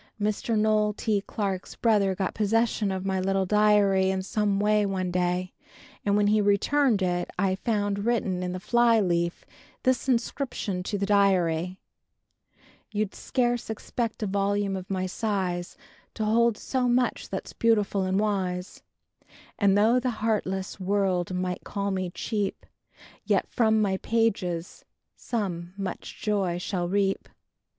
Mr. Noah T. Clarke's brother got possession of my little diary in some way one day and when he returned it I found written on the fly leaf this inscription to the diary: "You'd scarce expect a volume of my size To hold so much that's beautiful and wise, And though the heartless world might call me cheap Yet from my pages some much joy shall reap.